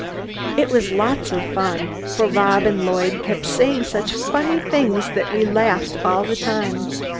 It was lots of fun, for Rob and Lloyd kept saying such funny things that we laughed all the time.